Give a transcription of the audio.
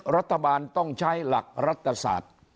รัฐบาลต้องใช้หลักรัฐศาสตร์